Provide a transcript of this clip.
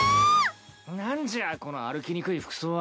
何じゃこの歩きにくい服装は。